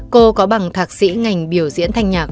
cô có bằng thạc sĩ ngành biểu diễn thanh nhạc